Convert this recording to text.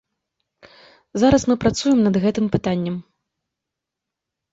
Зараз мы працуем над гэтым пытаннем.